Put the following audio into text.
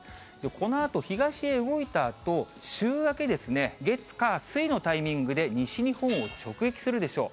このあと、東へ動いたあと、週明けですね、月火水のタイミングで西日本を直撃するでしょう。